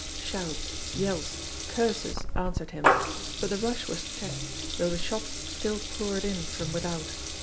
Shouts, yells, curses answered him ; but the rush was checked, though the shots still poured in from without.